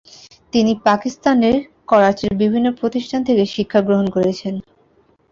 তিনি পাকিস্তানের করাচির বিভিন্ন প্রতিষ্ঠান থেকে শিক্ষা গ্রহণ করেছেন।